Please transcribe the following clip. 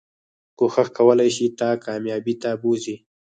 کوښښ کولی شي تا کاميابی ته بوځي